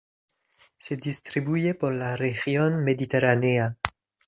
Se distribuye por la región mediterránea.